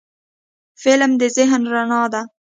فلم د ذهن رڼا ده